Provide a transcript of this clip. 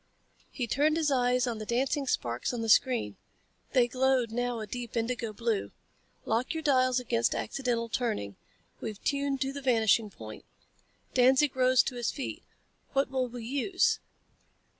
He turned his eyes on the dancing sparks on the screen. They glowed now a deep indigo blue. "Lock your dials against accidental turning. We're tuned to the vanishing point." Danzig rose to his feet. "What will we use?"